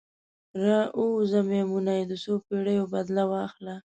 راووځه میمونۍ، د څوپیړیو بدل واخله